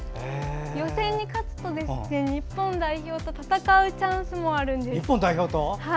予選に勝つと日本代表と戦うチャンスもあるんです。